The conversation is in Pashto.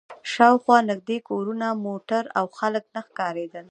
شا و خوا نږدې کورونه، موټر او خلک نه ښکارېدل.